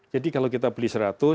jadi kalau kita beli seratus